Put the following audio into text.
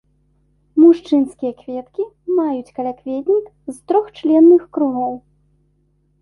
Мужчынскія кветкі маюць каля-кветнік з трохчленных кругоў.